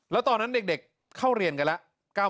แล้วตอนนั้นเด็กเข้าเรียนกันแล้ว